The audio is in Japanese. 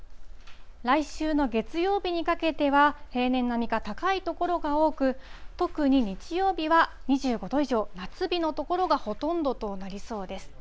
来週の月曜日にかけては、平年並みか高い所が多く、特に日曜日は２５度以上、夏日の所がほとんどとなりそうです。